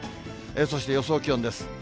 そして予想気温です。